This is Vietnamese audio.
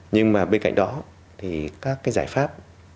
nhưng mà bên cạnh đó thì các giải pháp